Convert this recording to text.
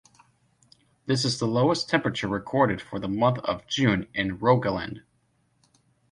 This is the lowest temperature recorded for the month of June in Rogaland.